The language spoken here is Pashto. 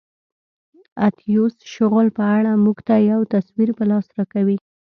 اتیوس شغل په اړه موږ ته یو تصویر په لاس راکوي.